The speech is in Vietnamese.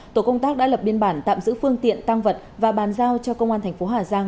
tổ công tác đã lập biên bản tạm giữ phương tiện tăng vật và bàn giao cho công an thành phố hà giang